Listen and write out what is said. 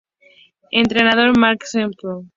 Entrenador: Mark Sampson